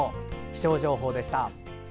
気象情報でした。